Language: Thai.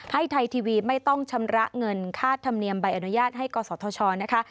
ให้ไทยทีวีไม่ต้องชำระเงินค่าธรรมเนียมใบอนุญาตให้กศธชนะคะ